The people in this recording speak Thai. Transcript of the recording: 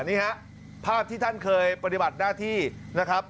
นี่ฮะภาพที่ท่านเคยปฏิบัติหน้าที่นะครับ